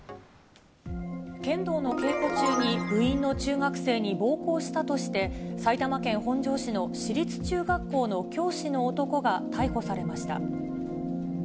剣道の稽古中に、部員の中学生に暴行したとして、埼玉県本庄市の私立中学校の教師の男が逮捕されました。